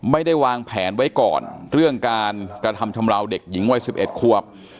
ไม่ได้วางแผนไว้ก่อนเรื่องการกระทำชำราวเด็กหญิงวัย๑๑ควบ